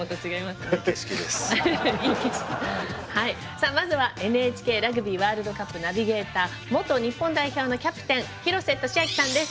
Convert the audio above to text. さあまずはＮＨＫラグビーワールドカップナビゲーター元日本代表のキャプテン廣瀬俊朗さんです。